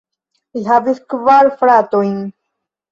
Li havis kvar fratojn.